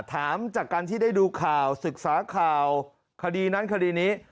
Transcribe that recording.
ถามจากการที่ได้ดูข่าวศึกษาข่าวคดีนั้นคดีนี้